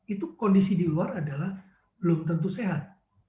itu kondisi di luar adalah belum tentu sehat